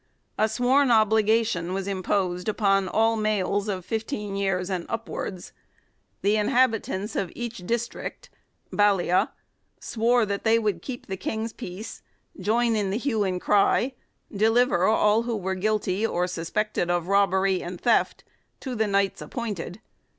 A sworn obliga tion was imposed upon all males of fifteen years and upwards. The inhabitants of each district (" ballia ") swore that they would keep the King's peace, join in the hue and cry, deliver all who were guilty or sus pected of robbery and theft to the knights appointed.